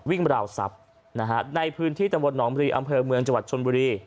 บราวทรัพย์ในพื้นที่ตำบลหนองรีอำเภอเมืองจังหวัดชนบุรี